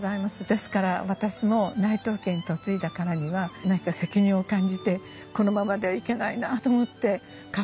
ですから私も内藤家に嫁いだからには何か責任を感じてこのままではいけないなあと思ってカフェにいたしました。